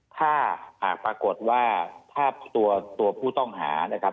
ถ้าหากปรากฏว่าถ้าตัวผู้ต้องหานะครับ